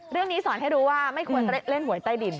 เรื่องนี้สอนให้รู้ว่าไม่ควรเล่นหวยใต้ดิน